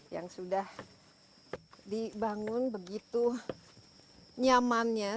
yang sudah dibangun begitu nyamannya